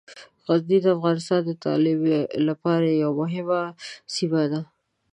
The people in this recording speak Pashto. غزني د افغانستان د تعلیم لپاره یوه مهمه سیمه ده.